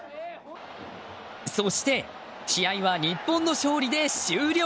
そして、試合は日本の勝利で終了。